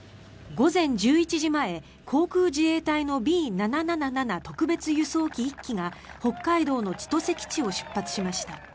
午前１１時前、航空自衛隊のＢ７７７特別輸送機１機が北海道の千歳基地を出発しました。